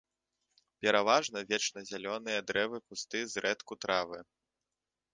Пераважна вечназялёныя дрэвы, кусты, зрэдку травы.